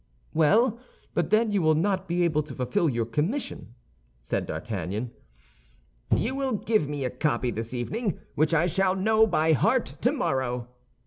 "Well, but then you will not be able to fulfill your commission," said D'Artagnan. "You will give me a copy this evening, which I shall know by heart tomorrow."